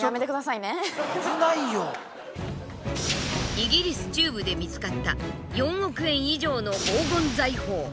イギリス中部で見つかった４億円以上の黄金財宝。